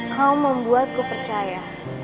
kau membuatku percaya